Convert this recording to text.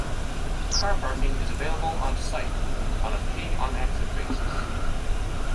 Car parking is available on site on a pay-on-exit basis.